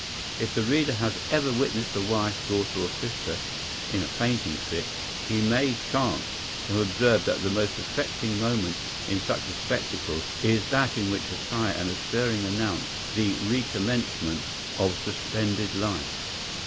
If the reader has ever witnessed a wife, daughter, or sister, in a fainting fit, he may chance to have observed that the most affecting moment in such a spectacle, is that in which a sigh and a stirring announce the recommencement of suspended life.